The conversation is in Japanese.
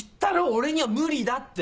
俺には無理だって。